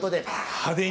派手に。